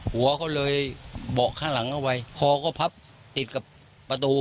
หัวเขาเลยเบาะข้างหลังเอาไว้คอก็พับติดกับประตู